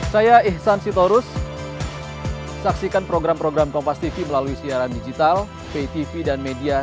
saya ihsan sitorus saksikan program program kompas tv melalui siaran digital pay tv dan media